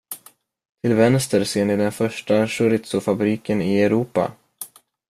Till vänster ser ni den första chorizofabriken i Europa.